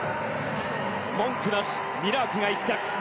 文句なし、ミラークが１着。